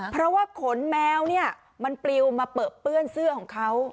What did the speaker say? เพราะว่าขนแมวเนี่ยมันปลิวมาเปลือเปื้อนเสื้อของเขา